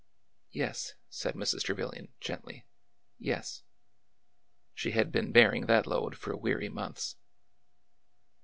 Yes," said Mrs. Trevilian, gently; "yes." She had been bearing that load for weary months.